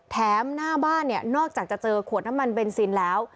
หน้าบ้านเนี่ยนอกจากจะเจอขวดน้ำมันเบนซินแล้ว